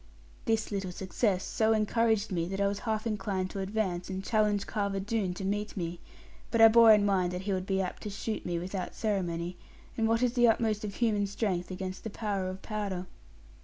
This little success so encouraged me, that I was half inclined to advance, and challenge Carver Doone to meet me; but I bore in mind that he would be apt to shoot me without ceremony; and what is the utmost of human strength against the power of powder?